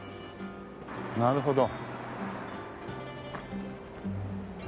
なるほど。